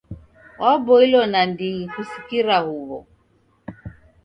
Waboilo nandighi kusikira huw'o.